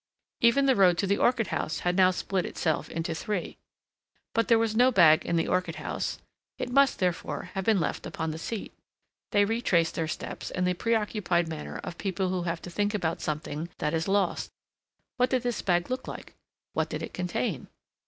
Even the road to the Orchid House had now split itself into three. But there was no bag in the Orchid House. It must, therefore, have been left upon the seat. They retraced their steps in the preoccupied manner of people who have to think about something that is lost. What did this bag look like? What did it contain?